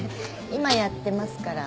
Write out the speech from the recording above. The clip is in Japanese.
今やってますから。